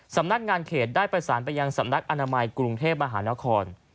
สำนักงานเขตได้ประสานไปยังสำนักอนามัยกรุงเทพมหานคร